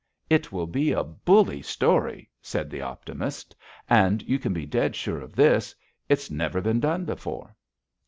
"It will be a bully story," said the Optimist, "and you can be dead sure of this: it's never been done before."